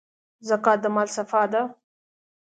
زکات د مال صفا ده.